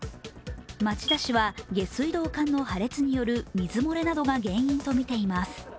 町田市は下水道管の破裂による水漏れなどが原因とみています。